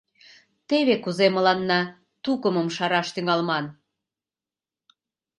Теве кузе мыланна тукымым шараш тӱҥалман.